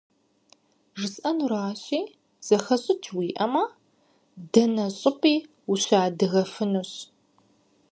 ЖысӀэнуращи, зэхэщӀыкӀ уиӀэмэ, дэнэ щӀыпӀи ущыадыгэфынущ.